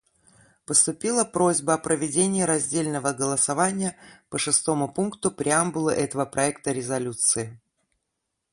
Поступила просьба о проведении раздельного голосования по шестому пункту преамбулы этого проекта резолюции.